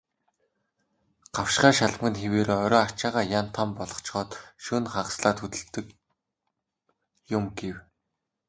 "Гавшгай шалмаг нь хэвээрээ, орой ачаагаа ян тан болгочхоод шөнө хагаслаад хөдөлдөг юм" гэв.